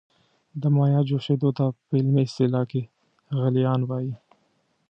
د مایع جوشیدو ته په علمي اصطلاح کې غلیان وايي.